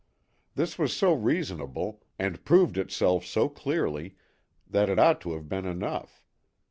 This was so reasonable, and proved itself so clearly, that it ought to have been enough.